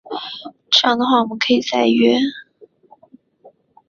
这样的话我们可以再约